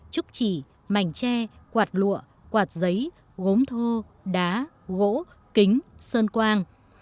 trúc chỉ mảnh tre quạt lụa quạt giấy gốm thô đá gỗ kính sơn quang